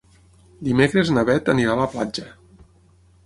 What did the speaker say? Dimecres na Beth anirà a la platja.